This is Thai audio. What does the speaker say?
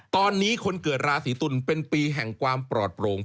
ตอนนี้คนเกิดราศีตุลเป็นปีแห่งความปลอดโปร่ง